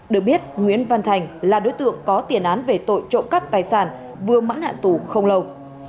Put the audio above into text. được biết nguyễn văn thành là đối tượng có tiền án về tội trộm cắp tài sản vừa mãn hạn tù không lâu